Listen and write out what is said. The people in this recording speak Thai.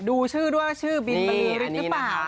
ดูชื่อด้วยชื่อบินบรีรึเปล่านะคะ